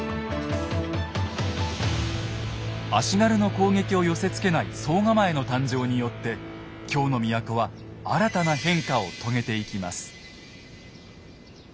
足軽の攻撃を寄せつけない惣構の誕生によって京の都は新たな変化を遂げていきます。